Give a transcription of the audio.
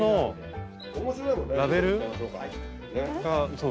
そう。